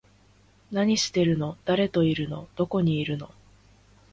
何してるの？誰といるの？どこにいるの？